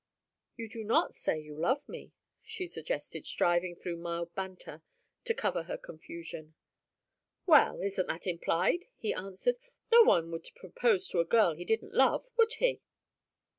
"You do not say you love me," she suggested, striving through mild banter to cover her confusion. "Well, isn't that implied?" he answered. "No one would propose to a girl he didn't love, would he?"